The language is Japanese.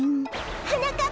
はなかっ